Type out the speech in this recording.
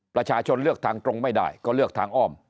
ประชาชนเลือกทางตรงไม่ได้ก็เลือกทางอ้อม